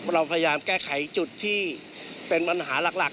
เราพยายามแก้ไขจุดที่เป็นปัญหาหลัก